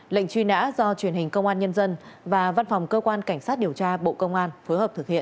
lệnh truy nã do truyền hình công an nhân dân và văn phòng cơ quan cảnh sát điều tra bộ công an phối hợp thực hiện